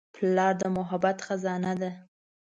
پلار د محبت خزانه ده.